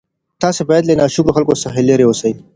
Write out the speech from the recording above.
تاسي باید له ناشکرو خلکو څخه لیري اوسئ.